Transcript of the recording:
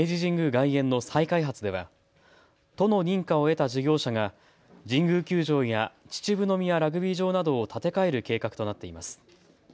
外苑の再開発では都の認可を得た事業者が神宮球場や秩父宮ラグビー場などを建て替える計画となっています。